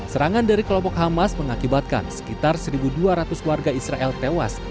serangan dari kelompok hamas mengakibatkan sekitar satu dua ratus warga israel tewas